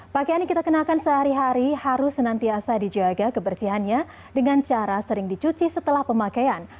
pakaian yang kita kenakan sehari hari harus senantiasa dijaga kebersihannya dengan cara sering dicuci setelah pemakaian